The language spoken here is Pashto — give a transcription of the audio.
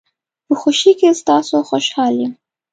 په خوشۍ کې ستاسو خوشحال یم.